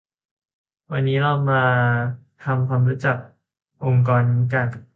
วันนี้เรามาทำความรู้จักองค์กรนี้กัน